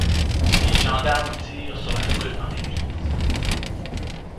Les gendarmes tirent sur la foule dans l'église.